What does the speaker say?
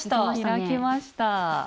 開きました。